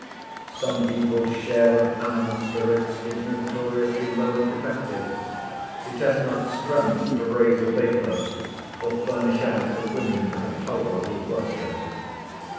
Some people's share of animal spirits is notoriously low and defective. It has not strength to raise a vapour, or furnish out the wind of a tolerable bluster.